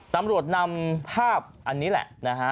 ตำรวจนำภาพอันนี้แหละนะฮะ